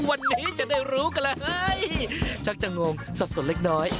วันนี้จะได้รู้กันเลยเฮ้ยชักจะงงสับสนเล็กน้อย